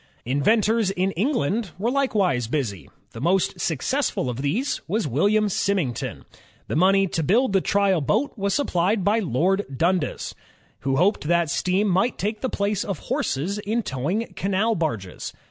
Inventors in England were likewise busy. The most successful of these was William Symington. The money to build the trial boat was supplied by Lord Dundas, who hoped that steam might take the place of horses in towing canal barges.